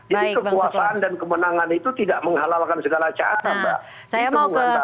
jadi kekuasaan dan kemenangan itu tidak menghalalkan segala cara mbak